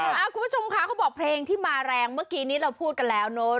คุณผู้ชมคะเขาบอกเพลงที่มาแรงเมื่อกี้นี้เราพูดกันแล้วเนอะ